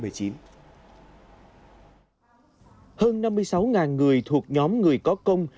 hơn năm mươi sáu người thuộc nhóm người có công